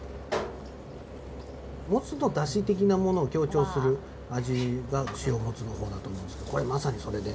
モツのだし的なものを強調する味が塩モツのほうだと思うんですけどこれまさにそれで。